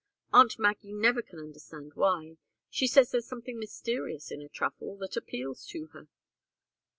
Aunt Maggie never can understand why. She says there's something mysterious in a truffle, that appeals to her."